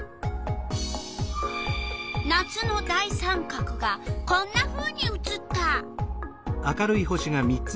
夏の大三角がこんなふうに写った！